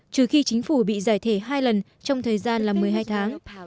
trừ khi chính phủ bị giải thể hai lần trong thời gian là một mươi hai tháng